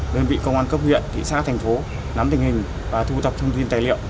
đơn vị công an cấp huyện kỵ xác thành phố nắm tình hình và thu tập thông tin tài liệu